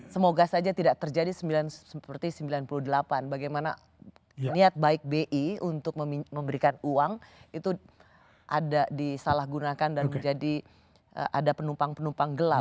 semoga saja tidak terjadi seperti sembilan puluh delapan bagaimana niat baik bi untuk memberikan uang itu ada disalahgunakan dan menjadi ada penumpang penumpang gelap